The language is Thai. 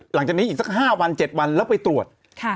หลังจากนี้อีกสัก๕วัน๗วันแล้วไปตรวจ